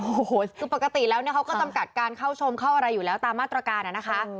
โอ้โหคือปกติแล้วเนี่ยเขาก็จำกัดการเข้าชมเข้าอะไรอยู่แล้วตามมาตรการนะคะ